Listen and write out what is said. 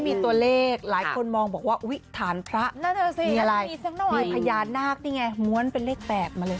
มีตัวเลขหลายคนมองบอกว่าอุ๊ยฐานพระนั่นแหละสิรอยพญานาคนี่ไงม้วนเป็นเลข๘มาเลย